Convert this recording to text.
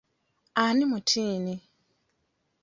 Ani mutiini?